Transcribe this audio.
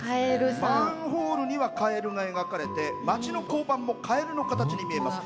マンホールにはカエルが描かれて町の交番もカエルの形に見えます。